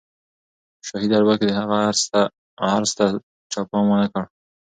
په شاهي دربار کې د هغه عرض ته چا پام ونه کړ.